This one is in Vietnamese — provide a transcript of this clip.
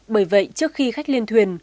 bởi vậy trước khi khách liên thuyền